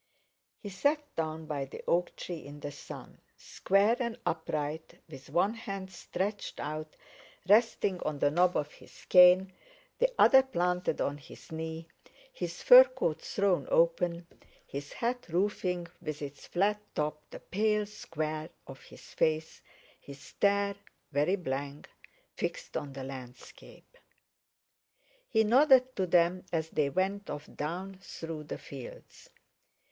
He sat down by the oak tree, in the sun; square and upright, with one hand stretched out, resting on the nob of his cane, the other planted on his knee; his fur coat thrown open, his hat, roofing with its flat top the pale square of his face; his stare, very blank, fixed on the landscape. He nodded to them as they went off down through the fields.